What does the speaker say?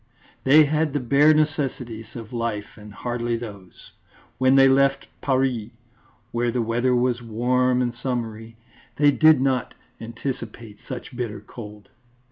They had the bare necessities of life and hardly those. When they left Paris, where the weather was warm and summery, they did not anticipate such bitter cold.